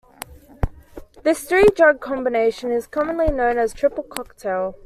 This three drug combination is commonly known as a triple cocktail.